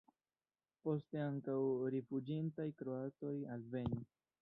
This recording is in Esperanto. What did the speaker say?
Poste ankaŭ rifuĝintaj kroatoj alvenis.